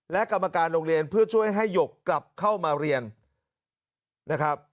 และกรรมการโรงเรียนเพื่อช่วยให้หยกกลับเข้ามาเรียนนะครับ